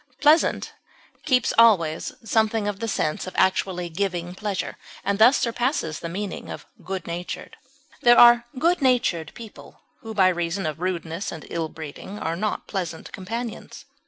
Pleasant keeps always something of the sense of actually giving pleasure, and thus surpasses the meaning of good natured; there are good natured people who by reason of rudeness and ill breeding are not pleasant companions.